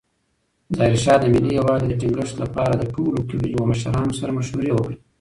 ظاهرشاه د ملي یووالي د ټینګښت لپاره د ټولو قبیلو مشرانو سره مشورې وکړې.